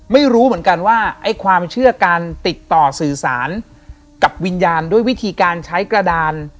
ไม่รู้เหมือนกันว่าไอ้ความเชื่อการติดต่อสื่อสารกับวิญญาณด้วยวิธีการใช้กระดาน